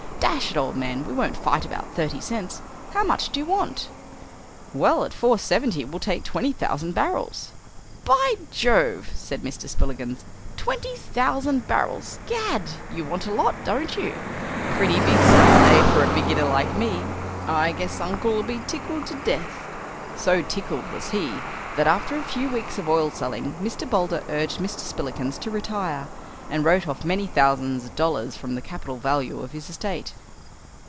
Dash it, old man, we won't fight about thirty cents. How much do you want?" "Well, at four seventy we'll take twenty thousand barrels." "By Jove!" said Mr. Spillikins; "twenty thousand barrels. Gad! you want a lot, don't you? Pretty big sale, eh, for a beginner like me? I guess uncle'll be tickled to death." So tickled was he that after a few weeks of oil selling Mr. Boulder urged Mr. Spillikins to retire, and wrote off many thousand dollars from the capital value of his estate.